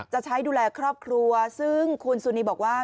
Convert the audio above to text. จะใช้ดูแลครอบครัวซึ่งคุณสุนีบอกว่า